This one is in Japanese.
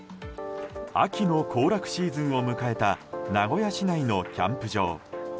秋の行楽シーズンを迎えた名古屋市内のキャンプ場。